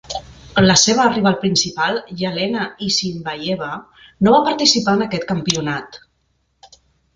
La seva rival principal, Yelena Isinbayeva, no va participar en aquest campionat.